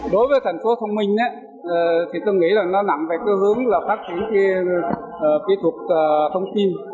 đối với thành phố thông minh tôi nghĩ là nó nặng về hướng phát triển kỹ thuật thông tin